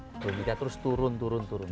ibu mega terus turun turun turun